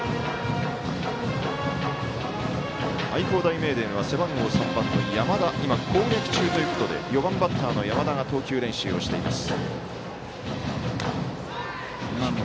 愛工大名電は背番号３番の山田が攻撃中ということで４番バッターの山田が投球練習をしています。